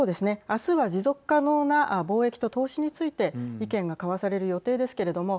明日は持続可能な貿易と投資について意見が交わされる予定ですけれども。